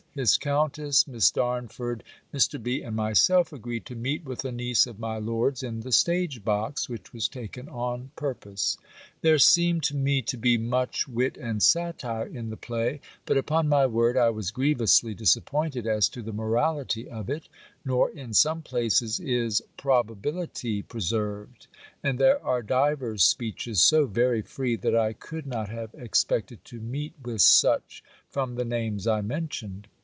his countess, Miss Darnford, Mr. B. and myself, agreed to meet with a niece of my lord's in the stage box, which was taken on purpose. There seemed to me to be much wit and satire in the play: but, upon my word, I was grievously disappointed as to the morality of it; nor, in some places, is probability preserved; and there are divers speeches so very free, that I could not have expected to meet with such, from the names I mentioned.